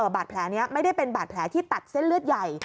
บาดแผลนี้ไม่ได้เป็นบาดแผลที่ตัดเส้นเลือดใหญ่